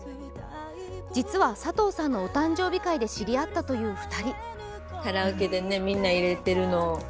実は佐藤さんのお誕生日会で知り合ったという２人。